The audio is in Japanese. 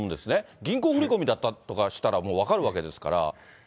銀行振込だったりとかしたらもう分かるわけですから。